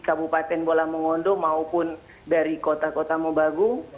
kabupaten bola mengondo maupun dari kota kota mobagung